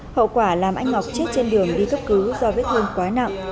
hậu quả làm anh ngọc chết trên đường đi cấp cứu do vết thương quá nặng